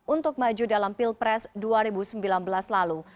untuk maju dalam pilpres dua ribu sembilan belas lalu